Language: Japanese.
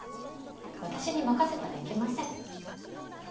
私に任せたらいけません。